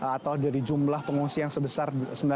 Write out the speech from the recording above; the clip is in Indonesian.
atau dari jumlah pengungsi yang sebesar